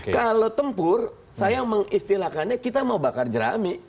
kalau tempur saya mengistilahkannya kita mau bakar jerami